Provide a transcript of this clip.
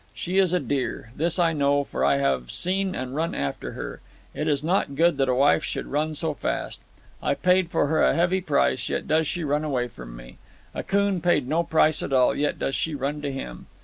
She is a deer. This I know, for I have seen and run after her. It is not good that a wife should run so fast. I paid for her a heavy price, yet does she run away from me. Akoon paid no price at all, yet does she run to him.